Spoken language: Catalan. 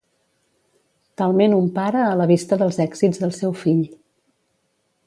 Talment un pare a la vista dels èxits del seu fill.